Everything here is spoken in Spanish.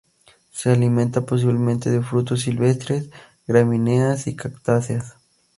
Se alimenta posiblemente de frutos silvestres, gramíneas, y cactáceas.